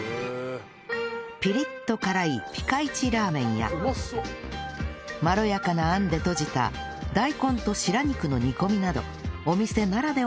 ピリッと辛いピカイチラーメンやまろやかなあんで閉じた大根と白肉の煮込みなどお店ならではのメニューが人気ですが